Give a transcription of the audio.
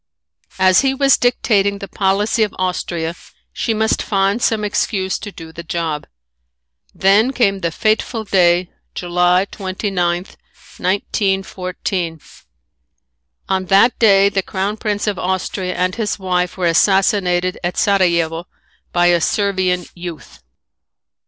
As he was dictating the policy of Austria she must find some excuse to do the job. Then came the fateful day, July 29, 1914. On that day the Crown Prince of Austria and his wife were assassinated at Sarajevo by a Servian youth.